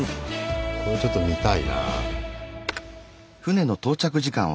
これちょっと見たいな。